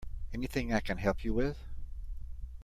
Anything I can help you with?